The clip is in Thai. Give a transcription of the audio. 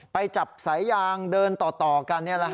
ไปจับสายยางเดินต่อกัน